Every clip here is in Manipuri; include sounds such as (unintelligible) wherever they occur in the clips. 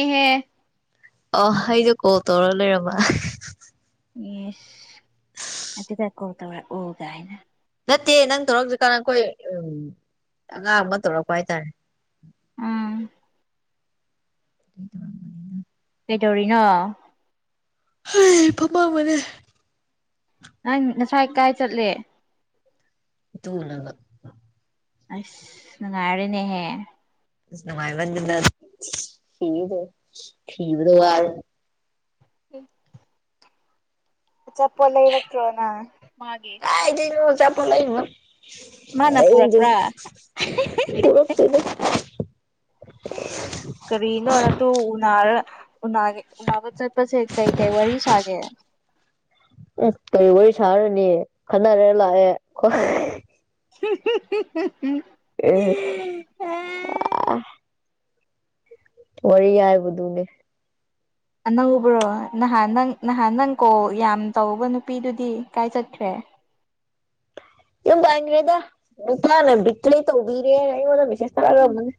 ꯑꯦꯍꯦ ꯑꯣ ꯑꯩꯗꯣ ꯀꯣꯜ ꯇꯧꯔ ꯂꯩꯔꯝꯕ ꯏꯁ ꯑꯗꯨꯒ ꯀꯣꯜ ꯇꯧꯔꯛ ꯑꯣ ꯀꯥꯏꯅ ꯇꯦ ꯅꯪ ꯇꯧꯔꯛꯇ꯭ꯔꯤꯀꯥꯟꯗ ꯑꯩꯈꯣꯏ ꯎꯝ ꯑꯉꯥꯡ ꯑꯃ ꯇꯧꯔꯛꯄ ꯍꯥꯏꯇꯥꯔꯦ ꯎꯝ ꯑꯗꯨ ꯇꯧꯔꯝꯕꯅꯤꯅ ꯀꯩꯗꯧꯔꯤꯅꯣ ꯐꯝꯃꯝꯕꯅꯦ ꯅꯪ ꯉꯁꯥꯏ ꯀꯥꯏ ꯆꯠꯂꯦ ꯏꯇꯨꯅꯒ ꯑꯥꯏꯁ ꯅꯨꯡꯉꯥꯏꯔꯅꯦꯍꯦ ꯅꯨꯡꯃꯥꯏꯃꯟꯗꯅ ꯁꯤꯒꯦ ꯇꯧꯏ ꯁꯤꯕꯗꯥ ꯋꯥꯔꯦ ꯎꯝ ꯑꯆꯥꯄꯣꯠ ꯂꯩꯔꯛꯇꯔꯣ ꯅꯪ ꯃꯥꯒꯤ ꯆꯄ ꯂꯩ ꯃꯥꯅ ꯄꯨꯔꯛꯄ꯭ꯔꯥ ꯄꯨꯗ (unintelligible) ꯀꯔꯤꯅꯣꯅꯝ ꯅꯇꯨ ꯎꯅꯔ ꯎꯅꯥꯒ ꯎꯅꯥꯕ ꯆꯠꯄꯁꯦ ꯀꯩ ꯀꯩ ꯋꯥꯔꯤ ꯁꯥꯒꯦ ꯎꯝ ꯀꯔꯤ ꯋꯥꯔꯤ ꯁꯥꯔꯅꯤ ꯈꯟꯅꯔ ꯂꯥꯛꯑꯦ (unintelligible) ꯑꯁ ꯑꯥ ꯋꯥꯔꯤ ꯌꯥꯏꯕꯨꯗꯨꯨꯅꯦ ꯑꯅꯧꯕ꯭ꯔꯣ ꯅꯍꯥꯟ ꯅꯪ ꯅꯍꯥꯟ ꯅꯪ ꯀꯣ ꯌꯥꯝ ꯇꯧꯕ ꯅꯨꯄꯤꯗꯨꯗꯤ ꯀꯥꯏ ꯆꯠꯈ꯭ꯔꯦ (inaudible) ꯌꯨꯝ ꯄꯥꯟꯒꯔ꯭ꯦꯗꯥ ꯅꯨꯄꯥꯅ ꯕꯤꯇꯔ꯭ꯦ ꯇꯧꯕꯤꯔꯦ ꯅ ꯑꯩꯉꯣꯟꯗ ꯃꯦꯁꯦꯁ ꯔꯅꯦ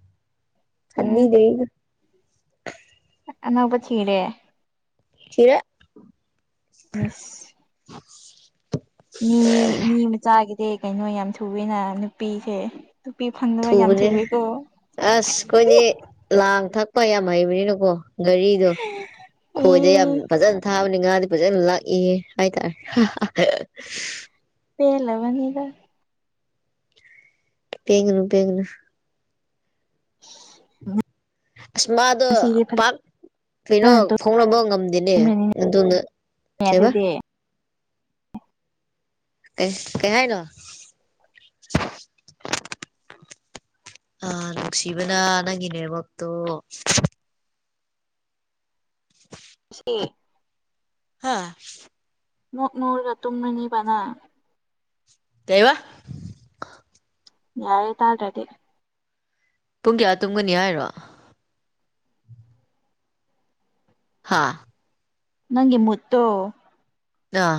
ꯎꯝ ꯊꯅꯤꯗꯒ (unintelligible) ꯑꯅꯧꯕꯥ ꯊꯤꯔꯦ ꯊꯤꯔꯦ ꯌꯦꯁ ꯃꯤ ꯃꯤ ꯃꯆꯥꯒꯤꯗꯤ ꯀꯩꯅꯣ ꯌꯥꯝ ꯊꯨꯋꯦꯅ ꯅꯨꯄꯤꯁꯦ ꯅꯨꯄꯤ ꯐꯪꯗꯕ ꯌꯥꯝ ꯊꯨꯕꯅꯦ ꯊꯨꯋꯦꯀꯣ ꯑꯁ ꯑꯩꯈꯣꯏꯗꯤ ꯂꯥꯡ ꯊꯛ ꯂꯄꯥ ꯌꯥꯝ ꯍꯩꯕꯅꯤꯅꯀꯣ ꯘꯔꯤꯗꯣ ꯈꯣꯏꯗ ꯌꯥꯝ ꯑꯦ ꯐꯖꯅ ꯊꯥꯕꯅꯤ ꯉꯥꯗꯤ ꯐꯖꯅ ꯂꯥꯛꯏ ꯍꯥꯏꯇꯥꯔꯦ ꯄꯦꯂꯕꯅꯤꯗ ꯄꯦꯟꯒꯅꯨ ꯄꯦꯟꯒꯅꯨ (inaudible) ꯑꯁꯃꯗ ꯉꯁꯤꯗꯤ ꯄ ꯀꯩꯅꯣ ꯐꯖꯅ ꯐꯣꯡꯅꯕ ꯉꯝꯗꯦꯅꯦ ꯇꯨꯝꯔꯅꯤꯅꯦ ꯑꯗꯨꯅ ꯗ꯭ꯔꯥꯏꯚ ꯑꯗꯨꯗꯤ ꯀꯩ ꯀꯩꯍꯥꯏꯅ (unintelligible) ꯑ ꯅꯨꯡꯁꯤꯕꯅ ꯅꯪꯒꯤꯅꯦꯕꯛꯇꯣ ꯁꯤ ꯍꯥꯥ ꯃꯣꯛ ꯃꯣꯔ ꯀꯥ ꯇꯨꯝ ꯃꯤꯅꯤ ꯄꯅꯥ ꯀꯩ ꯋꯥ ꯌꯥꯏ ꯇꯥꯟꯗ꯭ꯔꯗꯤ ꯄꯨꯡ ꯀꯌꯥ ꯇꯨꯡꯒꯅꯤ ꯍꯥꯏꯔꯣ ꯍꯥꯥ ꯅꯪꯒꯤ ꯃꯠꯇꯣ ꯑꯥ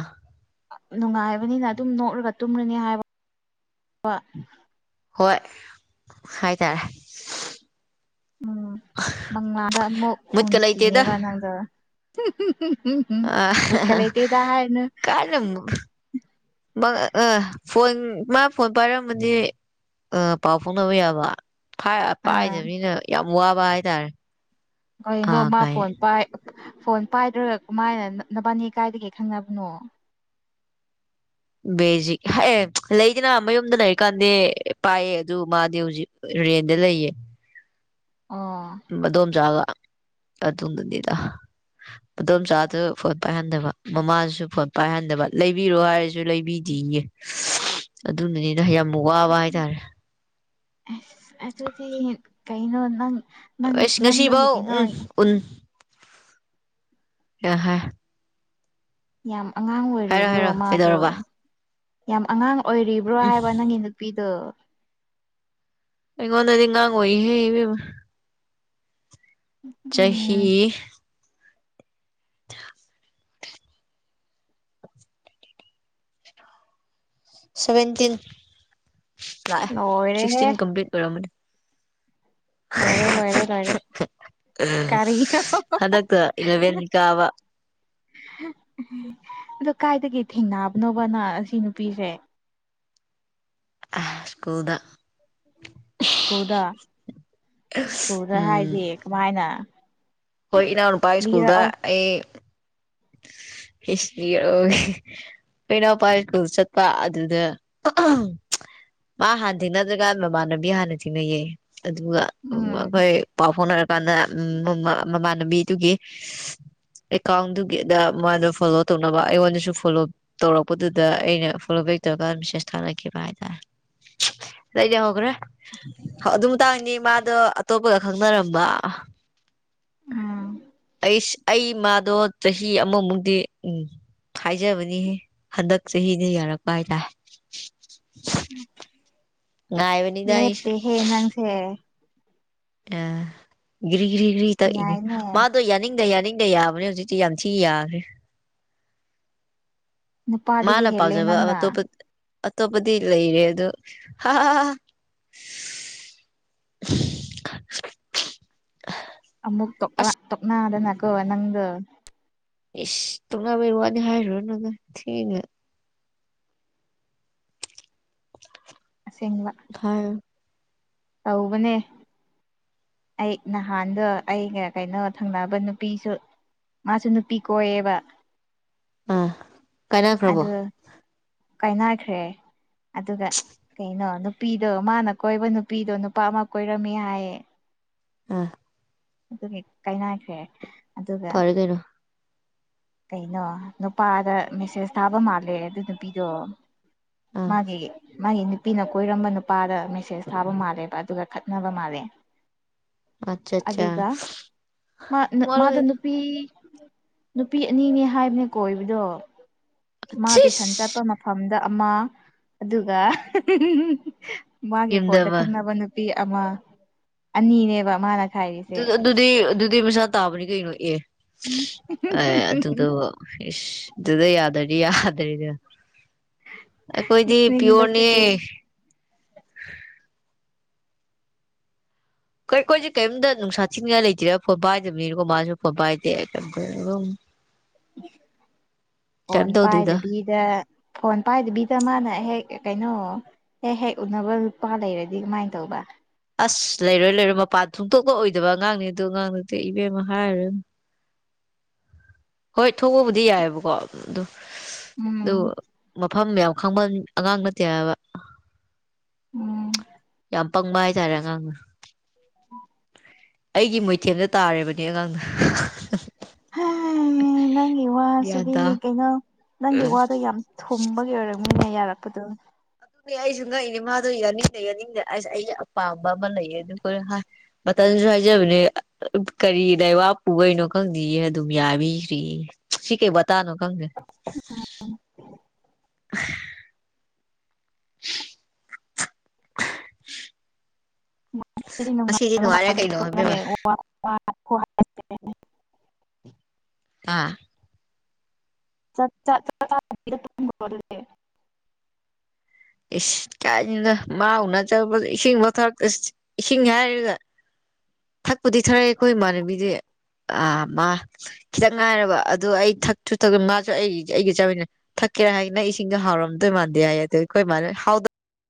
ꯅꯨꯡꯉꯥꯏꯕꯅꯤꯅ ꯑꯗꯨꯝ ꯅꯣꯛꯂꯒ ꯇꯨꯝꯔꯅꯤ ꯍꯥꯏꯕ ꯍꯣꯏ ꯍꯥꯏꯇꯥꯔꯦ ꯎꯝ ꯃꯪꯂꯥꯗ ꯑꯃꯨꯛ ꯃꯨꯠꯀ ꯂꯩꯇꯦꯗ ꯎꯟꯈꯤꯅꯦꯕ ꯅꯪꯗ ꯎꯝꯝꯝ ꯑ ꯎꯀꯂꯦꯇꯗ ꯍꯥꯏ ꯍꯥꯏꯅ ꯃ ꯑ ꯐꯣꯟ ꯃꯥ ꯐꯣꯟ ꯄꯥꯏꯔꯝꯃꯗꯤ ꯄꯥꯎ ꯐꯥꯎꯅꯕ ꯌꯥꯕ ꯑꯥ ꯄꯥꯏꯗꯕꯅꯤꯅ ꯌꯥꯝ ꯋꯥꯕ ꯍꯥꯏꯇꯥꯔꯦ ꯀꯩꯅꯣ ꯑꯥ ꯃꯥ ꯀꯥꯏ ꯐꯣꯟ ꯄꯥꯏ ꯐꯣꯟ ꯄꯥꯏꯗ꯭ꯔꯒ ꯀꯃꯥꯏꯅ ꯅꯕꯥꯅꯤ ꯀꯥꯏꯗꯒꯩ ꯈꯪꯅꯕꯅꯣ ꯕꯦꯖꯤꯛ ꯍꯥꯏ ꯑꯦ ꯂꯩꯗꯅ ꯃꯌꯨꯝꯗ ꯂꯩꯔꯤ ꯀꯥꯟꯗꯤ ꯄꯥꯏꯌꯦ ꯑꯗꯨ ꯃꯥꯗꯤ ꯍꯧꯖꯤꯛ ꯔꯦꯟꯗ ꯂꯩꯌꯦ ꯑꯣ ꯃꯗꯣꯝ ꯆꯥꯒ ꯑꯗꯨꯗꯨꯅꯤꯗ ꯑꯗꯣꯝꯆꯥꯗꯨ ꯐꯣꯟ ꯄꯥꯏꯍꯟꯗꯕ ꯃꯃꯥꯁꯨ ꯐꯣꯟ ꯄꯥꯏꯍꯟꯗꯕ ꯂꯩꯕꯤꯔꯣ ꯍꯥꯏꯔꯁꯨ ꯂꯩꯕꯤꯗ ꯉꯦ ꯑꯗꯨꯅꯅꯤꯅ ꯌꯥꯝ ꯋꯥꯕ ꯍꯥꯏꯇꯥꯔꯦ ꯑꯁ ꯑꯗꯨꯗꯤ ꯀꯩꯅꯣ ꯅꯪ ꯅꯪ ꯅꯪꯗꯒꯤ ꯉꯁꯤꯕꯥꯎ ꯀꯩꯅꯣ ꯎꯝ ꯎ ꯑ ꯍ ꯌꯥꯝ ꯑꯉꯥꯡ ꯑꯣꯏꯔꯤꯕ꯭ꯔꯣ ꯍꯥꯏꯔꯣ ꯃꯥꯗꯣ ꯀꯩꯗꯧꯔꯕ ꯌꯥꯝ ꯑꯉꯥꯡ ꯑꯣꯏꯔꯤꯕ꯭ꯔꯣ ꯍꯥꯏꯕ ꯅꯪꯒꯤ ꯅꯨꯄꯤꯗꯣ ꯑꯩꯉꯣꯟꯅꯗꯤ ꯏ ꯉꯥꯡꯉ ꯑꯣꯏꯍꯦꯕ ꯎꯝ ꯆꯍꯤ (unintelligible) ꯁꯚꯦꯟꯇꯤꯟ ꯂꯥꯛꯑꯦ ꯂꯣꯏꯔꯦꯍꯦ ꯁꯤꯛꯁꯇꯤꯟ ꯀꯝꯄ꯭ꯂꯤꯠ ꯑꯣꯏꯔꯝꯃꯅꯤ ꯂꯣꯏꯔꯦ ꯂꯣꯏꯔꯦ ꯂꯣꯏꯔꯦ ꯀꯔꯤꯅꯣ ꯍꯟꯗꯛꯇ ꯏꯂꯚꯦꯟ ꯀꯥꯕ ꯑ ꯀꯥꯏꯗꯒꯤ ꯊꯦꯡꯅꯕꯅꯣꯕꯅ ꯑꯁꯤ ꯅꯨꯄꯤꯁꯦ ꯁ꯭ꯀꯨꯜꯗ ꯈꯨꯀꯨꯗ ꯈꯨꯀꯨꯗ ꯍꯥꯏꯗꯤ ꯀꯃꯥꯏꯅ ꯍꯣꯏꯅꯥ ꯍꯅ ꯄ ꯁꯀꯨꯜꯗ ꯂꯤꯔꯛꯑꯣ ꯑꯦ (unintelligible) ꯍꯁ ꯐꯅꯣ ꯄꯥꯏ ꯆꯠꯄ ꯑꯗꯨꯗ ꯃꯥ ꯍꯥꯟꯅ ꯊꯦꯡꯅꯗ꯭ꯔꯒ ꯃꯃꯥꯟꯅꯕꯤ ꯍꯥꯟꯅ ꯊꯤꯅꯩꯌꯦ ꯑꯗꯨꯒ ꯎꯝ ꯑꯩꯈꯣꯏ ꯄꯥꯄꯅ ꯃꯃꯥꯟꯅꯕꯤꯗꯨꯒꯤ ꯑꯦꯀꯥꯎꯟꯗꯨꯒꯤ ꯗ ꯃꯥꯅ ꯐꯣꯂꯣ ꯇꯧꯅꯕ ꯑꯩꯉꯣꯟꯗꯁꯨ ꯐꯣꯂꯣ ꯇꯧꯔꯛꯄꯗꯨꯗ ꯑꯩꯅ ꯐꯣꯂꯣ ꯕꯦꯛ ꯇꯧꯔꯀꯥꯟꯗ ꯃꯦꯁꯦꯁ ꯊꯥ ꯂꯩ ꯄ ꯍꯥꯏ ꯇꯗꯤ ꯍꯒ꯭ꯔꯦ ꯑꯗꯨ ꯃꯇꯥꯡꯅꯤ ꯃꯥꯗꯣ ꯑꯇꯣꯞꯄꯒ ꯈꯪꯅꯔꯝꯕ ꯎꯝ ꯑꯩ ꯏꯃꯗꯣ ꯆꯍꯤ ꯑꯃꯃꯨꯛꯗꯤ ꯎꯝ ꯍꯥꯏꯖꯕꯅꯤꯍꯦ ꯍꯟꯗꯛ ꯆꯍꯤꯅ ꯌꯥꯔꯛꯄ ꯍꯥꯏꯇꯥꯔꯦ ꯉꯥꯏꯕꯅꯤꯗ ꯑꯩꯁꯨ ꯂꯦꯞꯇꯦꯍꯦ ꯅꯪꯁꯦ ꯑ ꯘ꯭ꯔꯤ ꯒ꯭ꯔꯤꯒ꯭ꯔꯤ ꯇꯛꯏꯅꯦ ꯌꯥꯏꯅꯦ ꯃꯥꯗꯣ ꯌꯥꯅꯤꯡꯗ ꯌꯥꯅꯤꯡ ꯏꯪꯗ ꯌꯥꯕ꯭ꯔ ꯍꯧꯖꯤꯛꯇꯤ ꯌꯥꯝ ꯊꯤ ꯌꯥꯈ꯭ꯔꯦ ꯅꯨꯄꯥꯗꯒꯤ ꯃꯥꯅ ꯍꯦꯜꯂꯦ ꯄꯥꯎꯖꯕ ꯅꯪꯅ ꯑꯇꯣꯞꯄꯗꯤ ꯂꯩꯔꯦ ꯑꯗꯣ (unintelligible) ꯇ ꯇꯣꯛꯅꯥꯗꯅꯀꯣ ꯅꯪꯒ ꯏꯁꯁ ꯇꯨꯡꯅꯥꯕꯩ ꯋꯥꯅꯤ ꯍꯥꯏꯔꯨꯔ ꯅꯪ ꯊꯦꯡꯅ ꯁꯦꯡꯥ ꯍꯥꯏꯔꯣ ꯇꯧꯕꯅꯦ ꯑꯩ ꯅꯍꯥꯟꯗꯣ ꯑꯩꯒ ꯀꯩꯅꯣ ꯊꯪꯅꯕ ꯅꯨꯄꯤꯁꯨ ꯃꯥꯁꯨ ꯅꯨꯄꯤ ꯀꯣ ꯑꯦ ꯑꯥ ꯀꯥꯏꯅꯈ꯭ꯔꯕꯣ ꯀꯥꯏꯅꯈ꯭ꯔꯦ ꯑꯗꯨꯒ ꯀꯩꯅꯣ ꯅꯨꯄꯤꯗꯣ ꯃꯥꯅ ꯀꯣꯏꯕ ꯅꯨꯄꯤꯗꯣ ꯅꯨꯄꯥ ꯑꯃ ꯀꯣꯏꯔꯝꯃꯤ ꯍꯥꯏꯌꯦ ꯑꯥ ꯑꯗꯨꯒꯤ ꯀꯥꯏꯅꯈ꯭ꯔꯦ ꯑꯗꯨꯒ ꯐꯔꯒꯅꯣ ꯀꯩꯅꯣ ꯅꯨꯄꯥꯗ ꯃꯦꯁꯦꯁ ꯊꯥꯕ ꯃꯥꯜꯂꯦ ꯑꯗꯨ ꯅꯨꯄꯤꯗꯣ ꯑꯥ ꯃꯥꯒꯤꯒꯤ ꯃꯥꯒꯤ ꯅꯨꯄꯤꯅ ꯀꯣꯏꯔꯝꯕ ꯅꯨꯄꯥꯗ ꯃꯦꯁꯦꯁ ꯊꯥꯕ ꯃꯥꯜꯂꯦꯕ ꯑꯗꯨꯒ ꯈꯠꯅꯕ ꯃꯥꯜꯂꯦ ꯑꯠꯆꯥ ꯆꯥ ꯑꯗꯨꯒ ꯃꯥ ꯅ ꯃꯥꯗ ꯋꯥꯠꯂꯤꯗ ꯅꯨꯄꯤꯤ ꯅꯨꯄꯤ ꯑꯅꯤꯅꯦ ꯍꯥꯏꯕꯅꯦ ꯀꯣꯏꯕꯗꯣ ꯃꯥ ꯇꯦꯁꯟ ꯆꯠꯄ ꯁꯤꯁ ꯃꯐꯝꯗ ꯑꯃ ꯑꯗꯨꯒ ꯃꯥꯒꯤ ꯐꯣꯗ ꯌꯦꯡꯗꯕ ꯈꯪꯅꯕ ꯅꯨ ꯅꯨꯄꯤ ꯑꯃ ꯑꯅꯤꯅꯦꯕ ꯃꯥꯅ ꯈꯥꯏꯔꯤꯁꯦ ꯑꯗꯨ ꯑꯗꯨꯗꯨꯗꯤ ꯑꯗꯨꯗꯨꯗꯤ ꯃꯁꯥ ꯇꯥꯕꯅꯤ ꯀꯩꯅꯅꯣ ꯑꯦ ꯑ ꯑꯗꯨꯗꯨ ꯏꯁ ꯑꯗꯨꯗ ꯌꯥꯗꯗꯤ ꯌꯥꯗꯔꯤꯗ ꯑꯩꯈꯣꯏꯗꯤ ꯄꯤꯌꯣꯔꯅꯦ ꯅꯣꯛꯅꯤꯡꯕꯁꯤꯗꯤ (unintelligible) ꯀ ꯑꯩꯈꯣꯏꯁꯦ ꯀꯔꯤꯝꯇ ꯅꯨꯡꯁꯥ ꯊꯤꯟꯒ ꯂꯩꯇꯦꯔꯥ ꯐꯣꯠ ꯄꯥꯏꯗꯕꯅꯤꯅꯀꯣ ꯃꯥꯁꯨ ꯐꯣꯠꯄꯥꯏꯗꯦꯩ ꯐꯣꯟ ꯇꯧꯗꯦꯗ ꯄꯥꯏꯗꯕꯤꯗ ꯐꯣꯟ ꯄꯥꯏꯗꯕꯤꯗ ꯃꯥꯅ ꯍꯦꯛ ꯀꯩꯅꯣ ꯍꯦꯛ ꯍꯦꯛ ꯎꯅꯕ ꯂꯨꯄꯥ ꯂꯩꯔꯗꯤ ꯀꯃꯥꯏꯅ ꯇꯧꯕ ꯑꯁ ꯂꯩꯔꯣꯏ ꯂꯩꯔꯣꯏ ꯃꯄꯥꯟ ꯊꯣꯡꯇꯣꯛꯄ ꯑꯣꯏꯗꯕ ꯑꯉꯥꯡꯅꯦ ꯑꯗꯨꯣ ꯑꯉꯥꯡ ꯅꯠꯇꯦ ꯏꯕꯦꯝꯃ ꯍꯥꯏꯔꯦ ꯍꯣꯏ ꯊꯣꯛꯄꯕꯨꯗꯤ ꯌꯥꯏꯑꯕꯀꯣ ꯑꯗꯨ ꯑꯗꯨ ꯎꯝ ꯃꯐꯝ ꯌꯥꯝ ꯈꯪꯕ ꯑꯉꯥꯡ ꯅꯠꯇꯦ ꯍꯥꯏꯕ ꯎꯝ ꯌꯥꯝ ꯄꯪꯕ ꯍꯥꯏꯇꯥꯔꯦ ꯑꯉꯥꯡꯅ ꯑꯩꯒꯤ ꯃꯣꯏꯊꯦꯝꯗ ꯇꯥꯔꯦꯕ ꯀꯒꯥꯟꯗ ꯍ ꯑꯦ ꯅꯪꯒꯤ ꯒ꯭ꯌꯥꯟ ꯋꯥꯁꯤꯗꯤ ꯇꯥ ꯀꯩꯅꯣ ꯅꯪꯒꯤ ꯋꯥꯗꯣ ꯌꯥꯝ ꯊꯨꯝꯕꯒꯤ ꯑꯣꯏꯔꯝꯃꯤ ꯃꯤꯅꯦ ꯌꯥꯔꯛꯄꯗꯣ ꯑꯗꯨꯗꯤ ꯑꯩꯁꯨ ꯉꯛꯏꯅꯤ ꯃꯥꯗꯣ ꯌꯥꯅꯤꯡꯗꯦ ꯌꯥꯅꯤꯡꯗꯦ ꯑꯁ ꯑꯩꯒꯤ ꯑꯄꯥꯝꯕ ꯑꯃ ꯂꯩꯌꯦ ꯑꯗꯨ ꯍꯥꯏ ꯃꯇꯝ ꯀꯪꯁꯨ ꯍꯥꯏꯖꯕꯅꯦ ꯀꯔꯤ ꯂꯩꯕꯥꯛꯄꯨꯈꯩꯅꯣ ꯈꯪꯗ ꯑꯗꯨꯝ ꯌꯥꯕꯤꯈ꯭ꯔꯤꯌꯦ ꯁꯤꯤꯀꯦ ꯇꯥꯅꯣ ꯀꯪꯒꯦ ꯎꯝ (unintelligible) ꯗꯤ ꯉꯁꯤꯗꯤ ꯅꯨꯡꯉꯥꯏꯔꯦ ꯀꯩꯅꯣ ꯏꯕꯦꯝꯃ ꯅꯨꯡꯉꯥꯏꯕ ꯍꯥ ꯍꯥ ꯑꯥ ꯆꯠ ꯆꯠ ꯆꯠ ꯆꯔꯦ ꯀꯥꯏꯅꯤꯅ ꯃꯥ ꯎꯅ ꯆꯠꯄꯗ ꯏꯁꯤꯡ ꯃꯣꯊꯛꯇ ꯏꯁꯤꯡ ꯍꯥꯏꯔꯒ ꯊꯛꯄꯨꯗꯤ ꯊꯥꯔꯛꯑꯦ ꯑꯩꯈꯣꯏ ꯏꯃꯥꯟꯅꯕꯤꯗꯤ ꯑꯥ ꯃꯥ ꯈꯤꯇꯪ ꯉꯥꯏꯔꯕ ꯑꯗꯨ ꯑꯩ ꯊꯛꯁꯨ ꯊ ꯃꯥꯁꯨ ꯑꯩ ꯑꯩꯒꯤ ꯆꯠꯕꯅ ꯀꯩ ꯍꯥꯏꯅꯪ ꯏꯁꯤꯡꯒ ꯍꯥꯎꯔꯝꯗꯣꯏ ꯃꯥꯟꯗꯦ ꯍꯥꯏ ꯑꯗ ꯑꯩꯈꯣꯏ ꯃꯥꯟ